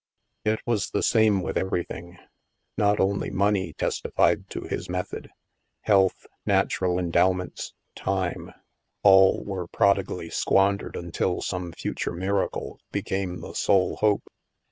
It was the same with everything ; not only money testified to his method ; healtii, natural endowments, time, all were prodigally squandered until some fu ture miracle became the sole hope.